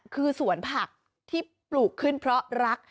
คือสวนผักที่ปลูกขึ้นเพราะรัก